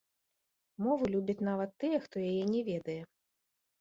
Мову любяць нават тыя, хто яе не ведае.